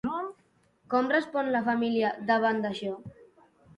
Com respon la família davant d'això?